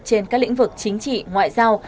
trên các lĩnh vực chính trị ngoại giao